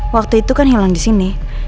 waktu itu kan hilang disini